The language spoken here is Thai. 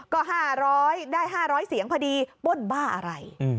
ก็๕๐๐ได้๕๐๐เสียงพอดีป้นบ้าอะไร